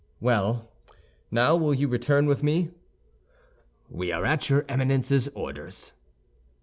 "Well; now will you return with me?" "We are at your Eminence's orders."